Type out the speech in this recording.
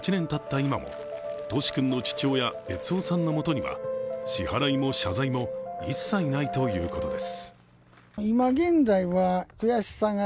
今も都史君の父親悦雄さんのもとには支払いも謝罪も一切ないというとです。